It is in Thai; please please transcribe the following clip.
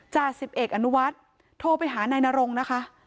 จ่าสิบเอกอนุวัฒน์โทรไปหานายนรงนะคะ